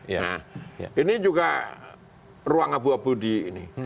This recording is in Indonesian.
nah ini juga ruang abu abu di ini